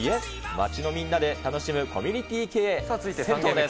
街のみんなで楽しむコミュニティー系銭湯です。